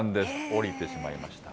下りてしまいました。